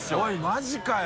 マジかよ。